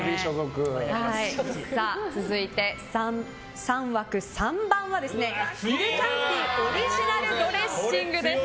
続いて３枠３番はイルキャンティ・オリジナルドレッシングです。